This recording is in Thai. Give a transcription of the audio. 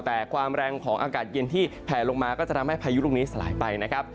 แต่ความแรงของอากาศเย็นที่แผลลงมาก็จะทำให้พายุลูกนี้สลายไปนะครับ